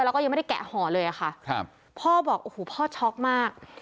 แล้วก็ยังไม่ได้แกะห่อเลยอะค่ะครับพ่อบอกโอ้โหพ่อช็อกมาก